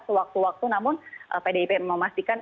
sewaktu waktu namun pdip memastikan